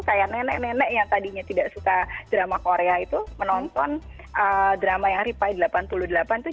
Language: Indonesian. kayak nenek nenek yang tadinya tidak suka drama korea itu menonton drama yang ripai delapan puluh delapan itu